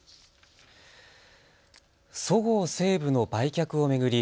そごう・西武の売却を巡り